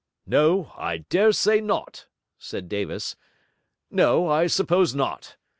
'No, I dare say not,' said Davis. 'No, I suppose not.